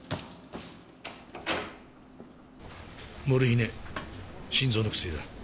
モルヒネ心臓の薬だ。